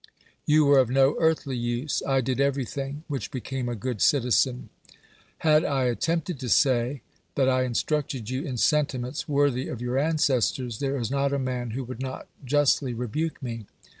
You were of no earthly use; I did everything which became a good citizen. Had I attempted to say, that I instructed you in sentiments worthy of your ancestors, there is not a man who would not justly rebuke me.